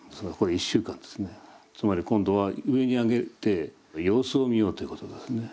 つまり今度は上にあげて様子を見ようということですね。